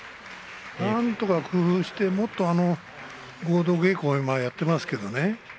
なんとか工夫してもっと合同稽古を今やっていますけれどね。